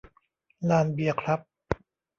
ลานเบียร์ครับ